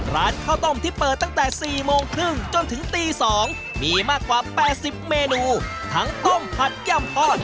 ร้านข้าวต้มที่เปิดตั้งแต่๔โมงครึ่งจนถึงตี๒มีมากกว่า๘๐เมนูทั้งต้มผัดย่ำทอด